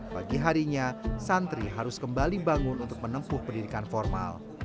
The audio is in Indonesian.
pagi harinya santri harus kembali bangun untuk menempuh pendidikan formal